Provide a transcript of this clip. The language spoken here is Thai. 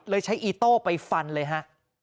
ใช้อีโต้ไปฟันเลยฮะ